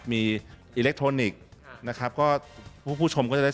เซิงสองคือคือเซิง